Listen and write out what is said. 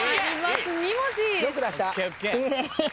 ・よく出した。